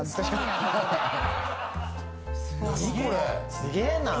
すげえなぁ。